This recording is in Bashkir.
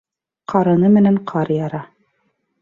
Ҡарыны менән ҡар яра.